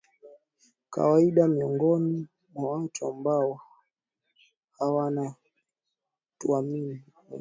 kawaida miongoni mwa watu ambao hawananmatumaini yoyote